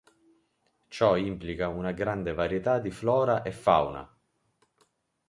Ciò implica una grande varietà di flora e fauna.